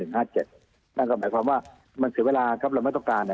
นั่นก็หมายความว่ามันเสียเวลาครับเราไม่ต้องการ